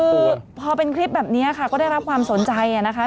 คือพอเป็นคลิปแบบนี้ค่ะก็ได้รับความสนใจนะคะ